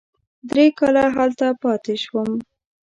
درې کاله هلته پاتې شوم.